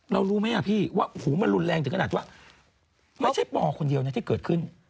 รู้ไหมพี่ว่ามันรุนแรงถึงขนาดว่าไม่ใช่ปอคนเดียวนะที่เกิดขึ้น